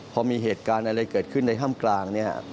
พอมีเหตุการณ์อะไรเกิดขึ้นในถ้ำกลางเนี่ย